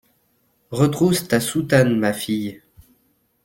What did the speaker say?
Retrousse ta soutane, ma fille.